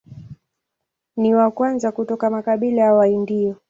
Ni wa kwanza kutoka makabila ya Waindio.